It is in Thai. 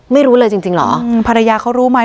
ไม่รู้เลยจริงเหรอภรรยาเขารู้ไหม